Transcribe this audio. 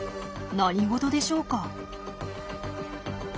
何事でしょうか？